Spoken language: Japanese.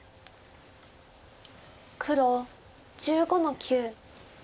黒１５の九。